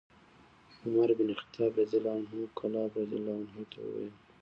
عمر بن الخطاب رضي الله عنه کلاب رضي الله عنه ته وویل: